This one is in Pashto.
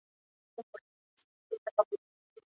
که ته غواړې پرمختګ وکړې نو پوهه ترلاسه کړه.